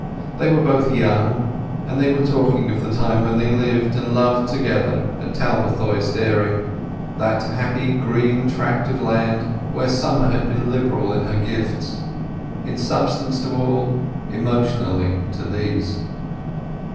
They were both young, and they were talking of the time when they lived and loved together at Talbothays Dairy, that happy green tract of land where summer had been liberal in her gifts; in substance to all, emotionally to these.